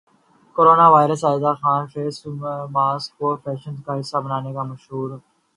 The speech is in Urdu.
کورونا وائرس عائزہ خان کا فیس ماسک کو فیشن کا حصہ بنانے کا مشورہ